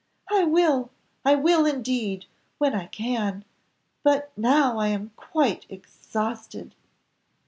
"I will, I will indeed, when I can but now I am quite exhausted."